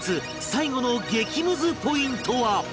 最後の激ムズポイントは